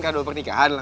kado pernikahan lah